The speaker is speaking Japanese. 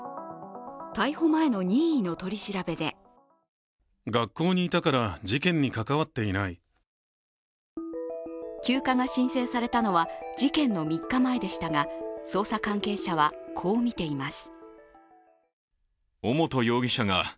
逮捕前の任意の取り調べで休暇が申請されたのは事件の３日前でしたが捜査関係者はこう見ています。